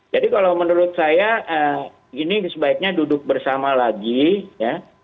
jadi kalau menurut saya ini sebaiknya duduk bersama lagi ya